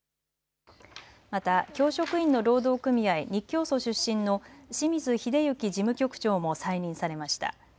また教職員の労働組合、日教組出身の清水秀行事務局長も再任されました。